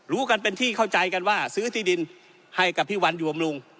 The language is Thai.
รู้กันเป็นที่เข้าใจกันว่าซื้อที่ดินให้กับพี่วันอยู่บำรุง